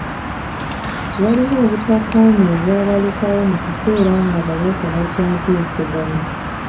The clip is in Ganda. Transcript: Waliwo obutakkaanya obwabalukawo mu kiseera nga ababaka bakyateeseganya.